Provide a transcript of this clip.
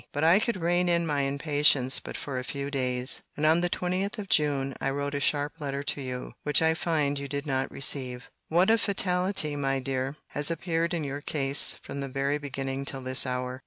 But I could rein in my impatience but for a few days; and on the 20th of June I wrote a sharp letter to you; which I find you did not receive. What a fatality, my dear, has appeared in your case, from the very beginning till this hour!